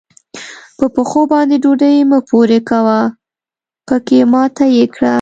په پښو باندې ډوډۍ مه پورې کوه؛ پکې ماته يې کړه.